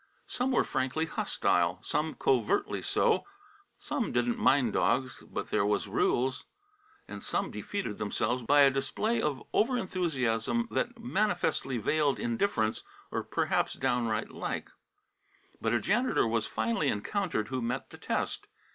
Some were frankly hostile; some covertly so. Some didn't mind dogs but there was rules. And some defeated themselves by a display of over enthusiasm that manifestly veiled indifference, or perhaps downright dislike. But a janitor was finally encountered who met the test.